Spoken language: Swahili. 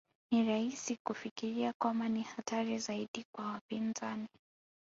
Ni rahisi kufikiria kwamba ni hatari zaidi kwa wapinzani